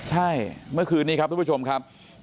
ใช่เมื่อคืนนี้ครับทุกผู้ชมครับ